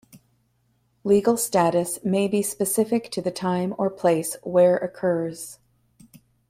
Legal status may be specific to the time or place where occurs.